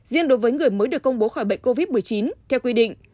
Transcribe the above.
riêng đối với người mới được công bố khỏi bệnh covid một mươi chín theo quy định